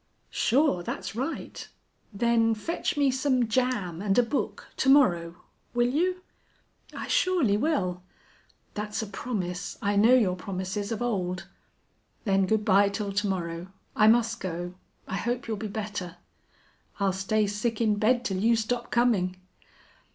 "Sure, that's right. Then fetch me some jam and a book to morrow. Will you?" "I surely will." "That's a promise. I know your promises of old." "Then good by till to morrow. I must go. I hope you'll be better." "I'll stay sick in bed till you stop coming."